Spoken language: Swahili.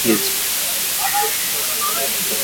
hatari ya kuambukizwa